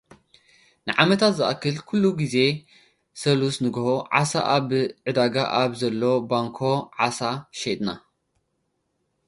ንዓመታት ዝኣክል ኲሉ ግዜ ሰሉስ ንግሆ፡ ዓሳ፡ ኣብቲ ዕዳጋ ኣብ ዘሎ ባንኮ ዓሳ ሸይጥና።